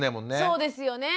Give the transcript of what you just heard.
そうですよね。